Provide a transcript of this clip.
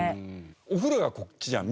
お風呂がこっちじゃん。